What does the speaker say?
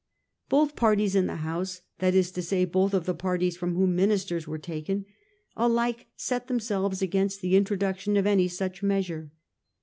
Both parties in the House — that is to say, both of the parties from whom ministers were taken — alike set themselves against the intro duction of any such measure.